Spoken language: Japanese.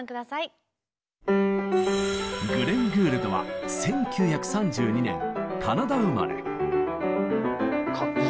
グレン・グールドは１９３２年カナダ生まれ。